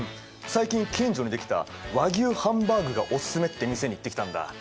最近近所に出来た和牛ハンバーグがオススメって店に行ってきたんだ。